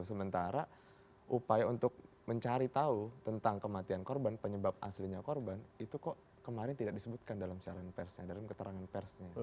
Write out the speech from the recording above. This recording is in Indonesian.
sementara upaya untuk mencari tahu tentang kematian korban penyebab aslinya korban itu kok kemarin tidak disebutkan dalam siaran persnya dalam keterangan persnya